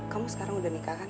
kamu sekarang udah nikah kan